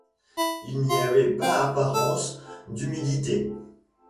Il n’y avait pas apparence d’humidité.